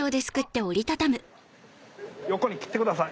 横に切ってください